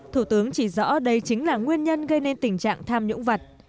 thủ tướng chỉ rõ đây chính là nguyên nhân gây nên tình trạng tham nhũng vật